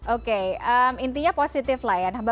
oke intinya positif lah ya